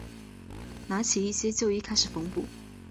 拿起一些旧衣开始缝补